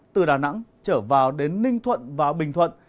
từ đà nẵng trở vào đến ninh thuận và bình thuận